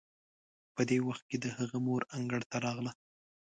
په دې وخت کې د هغه مور انګړ ته راغله.